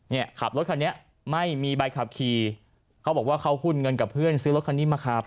เนี่ยขับรถคันนี้ไม่มีใบขับขี่เขาบอกว่าเขาหุ้นเงินกับเพื่อนซื้อรถคันนี้มาขับ